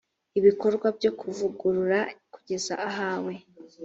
ibikorwa byo kuvugurura kugeza ahawe